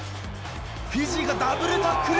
フィジーがダブルタックル。